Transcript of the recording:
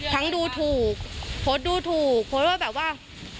ทั้งดูถูกโพสต์ดูถูกโพสต์ว่าแบบว่า